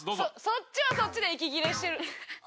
そっちはそっちで息切れしてる。